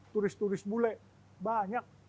turis turis bule banyak